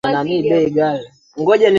Samia mwenye umri wa miaka sitini na moja